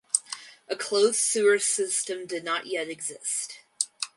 A closed sewer system did not yet exist.